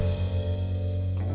siapa mal interpretasi kamu